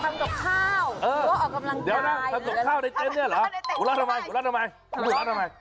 เดี๋ยวนะทำกับข้าวในเต้นเนี่ยเหรอหัวเราะทำไมหัวเราะทำไม